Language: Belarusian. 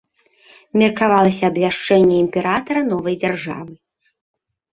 Меркавалася абвяшчэнне імператара новай дзяржавы.